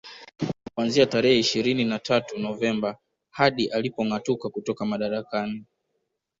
Kuanzia tarehe ishirini na tatu Novemba hadi alipongâatuka kutoka madarakani